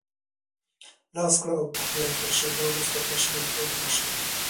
لاس کړ او په خوله یې کړ، شېبه وروسته کشرې خور مشرې ته.